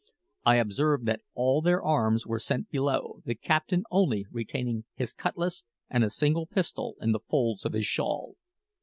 I observed that all their arms were sent below, the captain only retaining his cutlass and a single pistol in the folds of his shawl.